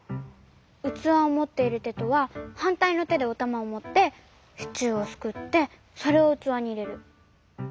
うつわをもっているてとははんたいのてでおたまをもってシチューをすくってそれをうつわにいれる。